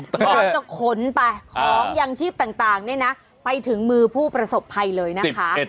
ก่อนจะขนไปของยังชีพต่างเนี่ยนะไปถึงมือผู้ประสบภัยเลยนะคะ